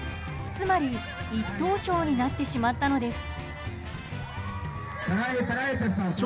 つまり１等賞になってしまったのです。